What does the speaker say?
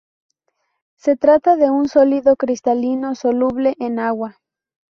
Se trata de un sólido cristalino soluble en agua.